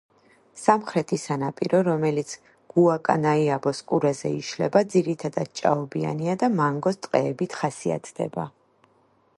სამხრეთი სანაპირო, რომელიც გუაკანაიაბოს ყურეზე იშლება, ძირითადად ჭაობიანია და მანგროს ტყეებით ხასიათდება.